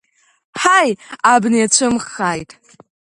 Ҳаи, абна иацәымӷхааит!